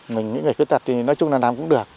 mình những người khuyết tật thì nói chung là làm cũng được